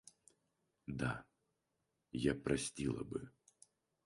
Да, я простила бы.